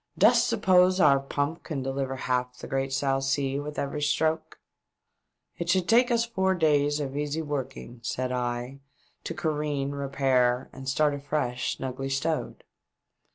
" Dost suppose our pump can deliver half the great South Sea with every stroke ?" "It should take us four days of easy working," said I, " to careen, repair and start afresh snugly stowed."